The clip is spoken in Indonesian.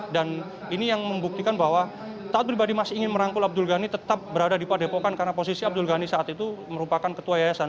dan ini yang membuktikan bahwa taat pribadi masih ingin merangkul abdul ghani tetap berada di padepokan karena posisi abdul ghani saat itu merupakan ketua yayasan